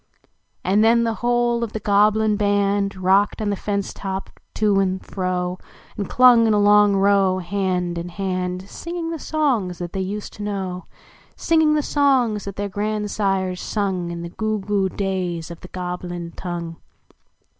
And then the whole of the (loblin band Rocked on the fence to]) to and fro. And clung, in a long row, hand in hand, Singing the songs that they used to know Singing the songs that their grandsires sung Tn the goo goo days of the Goblin tongue.